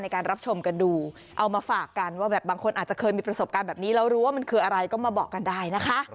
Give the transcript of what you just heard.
ก็เป็นไปได้